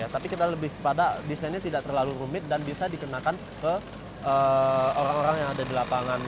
tapi kita lebih pada desainnya tidak terlalu rumit dan bisa dikenakan ke orang orang yang ada di lapangan